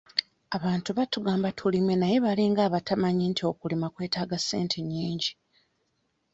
Abantu batugamba tulime naye balinga abatamanyi nti okulima kwetaaga ssente nnyingi.